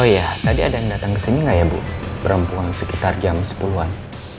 oh iya tadi ada yang datang ke sini nggak ya bu perempuan sekitar jam sepuluh an